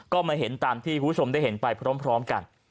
ก็มาเห็นตามที่คุณผู้ชมได้เห็นไปพร้อมกัน